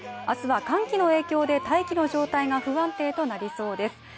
明日は寒気の影響で大気の状態が不安定となりそうです。